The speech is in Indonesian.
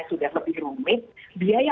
sudah lebih rumit biaya